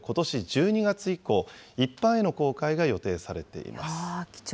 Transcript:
１２月以降、一般への公開が予定されています。